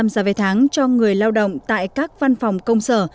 năm mươi giá vé tháng cho người lao động tại các văn phòng công sở